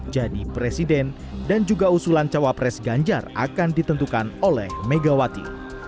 jadi presiden dan juga usulan cawapres ganjar akan ditentukan oleh megawati